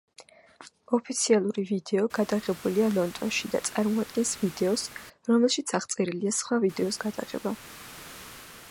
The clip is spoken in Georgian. ოფიციალური ვიდეო გადაღებულია ლონდონი და წარმოადგენს ვიდეოს, რომელშიც აღწერილია სხვა ვიდეოს გადაღება.